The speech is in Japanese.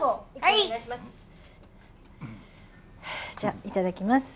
じゃあいただきます。